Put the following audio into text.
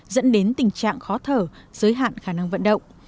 dẫn đến tình trạng khó thở giới hạn khả năng vận động